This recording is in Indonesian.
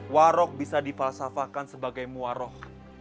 warog bisa dipalsafakan sebagai muwaroh